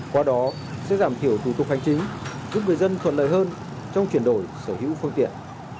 qua đó sẽ giảm thiểu thủ tục hành chính giúp người dân thuận lợi hơn trong chuyển đổi sở hữu phương tiện